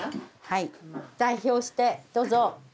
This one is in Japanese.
はい代表してどうぞ。